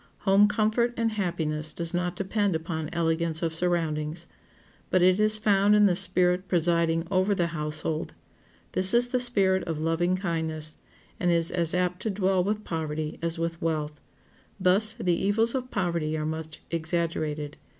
Home comfort and happiness does not depend upon elegance of surroundings. But it is found in the spirit presiding over the household; this is the spirit of loving kindness, and is as apt to dwell with poverty as with wealth. Thus the evils of poverty are much exaggerated.